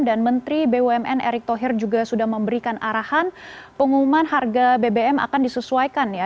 dan menteri bumn erick thohir juga sudah memberikan arahan pengumuman harga bbm akan disesuaikan ya